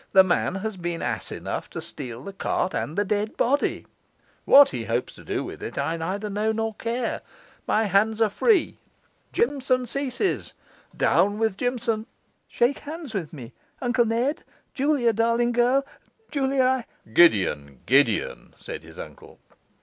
'That man has been ass enough to steal the cart and the dead body; what he hopes to do with it I neither know nor care. My hands are free, Jimson ceases; down with Jimson. Shake hands with me, Uncle Ned Julia, darling girl, Julia, I ' 'Gideon, Gideon!' said his uncle.